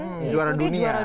itu dia juara dunia